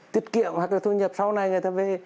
tiết kiệm hoặc là thu nhập sau này người ta về